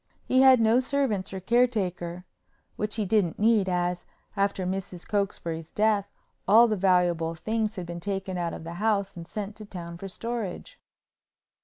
He had no servants or caretaker, which he didn't need, as, after Mrs. Cokesbury's death, all the valuable things had been taken out of the house and sent to town for storage.